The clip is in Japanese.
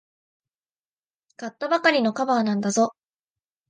買ったばかりのカバーなんだぞ。